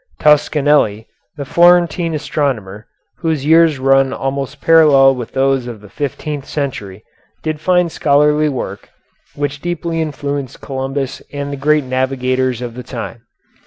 Toscanelli, the Florentine astronomer, whose years run almost parallel with those of the fifteenth century, did fine scholarly work, which deeply influenced Columbus and the great navigators of the time.